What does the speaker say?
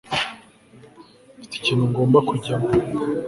mfite ikintu ngomba kujyamo